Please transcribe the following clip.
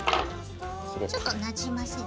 ちょっとなじませる？